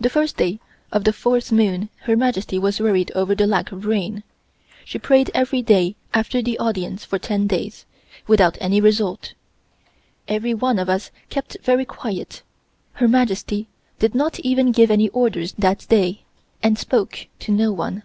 The first day of the fourth moon Her Majesty was worried over the lack of rain. She prayed every day after the audience for ten days, without any result. Every one of us kept very quiet. Her Majesty did not even give any orders that day, and spoke to no one.